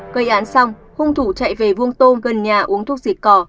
gây án xong hung thủ chạy về vuông tôm gần nhà uống thuốc diệt cỏ